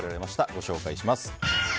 ご紹介します。